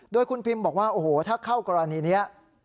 โดยคุณพิมบอกว่าโอ้โหถ้าเข้ากรณีนี้